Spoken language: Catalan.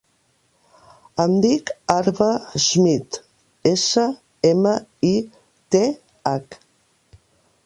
Em dic Arwa Smith: essa, ema, i, te, hac.